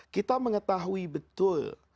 kita mengetahui betul